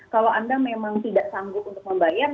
kalau anda memang tidak sanggup untuk membayar